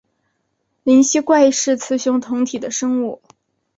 灵吸怪是雌雄同体的生物。